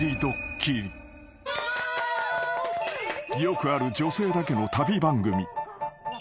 ［よくある女性だけの旅番組］